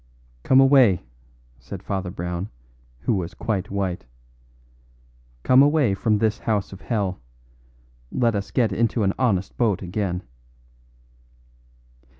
"Come away," said Father Brown, who was quite white. "Come away from this house of hell. Let us get into an honest boat again."